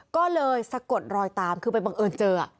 ก็เลยสะกดรอยตามคือไปบังเอิญเจอ